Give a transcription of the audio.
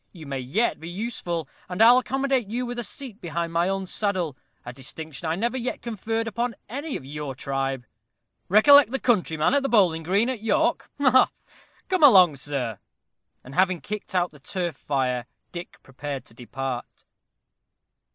You may yet be useful, and I'll accommodate you with a seat behind my own saddle a distinction I never yet conferred upon any of your tribe. Recollect the countryman at the Bowling green at York ha, ha! Come along, sir." And having kicked out the turf fire, Dick prepared to depart.